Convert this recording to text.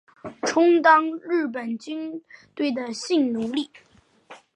充当日本军队的性奴隶